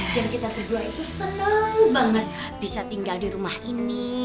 kita berdua itu senang banget bisa tinggal di rumah ini